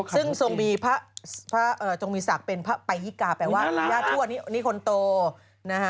ซึ่งทรงมีศักดิ์เป็นพระไปยิกาแปลว่าย่าทั่วนี่คนโตนะฮะ